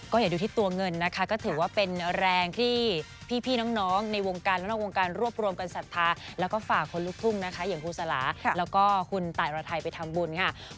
ก็อย่าดูที่ตัวเงินนะคะก็ถือว่าเป็นแรงที่พี่น้องในวงการและนอกวงการรวบรวมกันศรัทธาแล้วก็ฝากคนลูกทุ่งนะคะอย่างครูสลาแล้วก็คุณตายรไทยไปทำบุญค่ะ